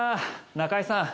中居さん